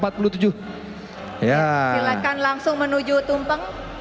silakan langsung menuju tumpeng